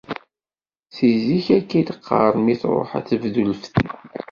Si zik akka i d-qqaren mi tṛuḥ ad tebdu lfetna.